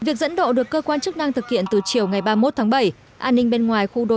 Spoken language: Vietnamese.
việc dẫn độ được cơ quan chức năng thực hiện từ chiều ngày ba mươi một tháng bảy an ninh bên ngoài khu đô